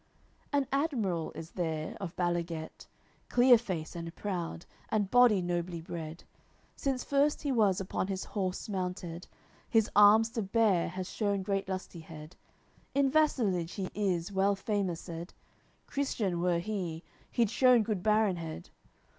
LXXII An admiral is there of Balaguet; Clear face and proud, and body nobly bred; Since first he was upon his horse mounted, His arms to bear has shewn great lustihead; In vassalage he is well famoused; Christian were he, he'd shewn good baronhead.